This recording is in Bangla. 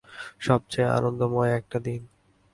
সবচেয়ে আনন্দময় একটা দিন।